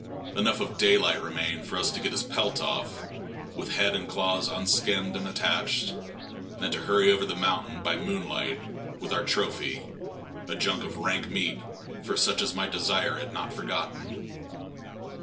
Enough of daylight remained for us to get his pelt off, with head and claws unskinned and attached, and to hurry over the mountain by moonlight with our trophy, a junk of rank meat for such as might desire it not forgotten.